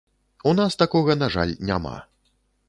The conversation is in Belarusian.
У нас такога, на жаль, няма.